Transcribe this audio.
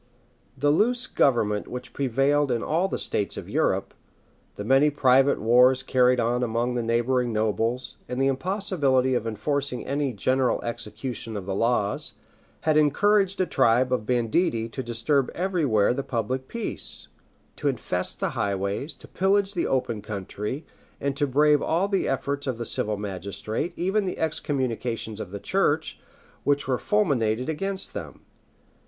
The loose government which prevailed in all the states of Europe, the many private wars carried on among the neighboring nobles, and the impossibility of enforcing any general execution of the laws, had encouraged a tribe of banditti to disturb every where the public peace, to infest the highways, to pillage the open country, and to brave all the efforts of the civil magistrate, and even the excommunications of the church, which were fulminated against them.